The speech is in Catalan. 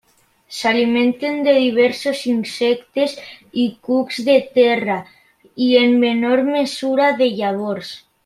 S'alimenten de diversos insectes i cucs de terra, i en menor mesura de llavors.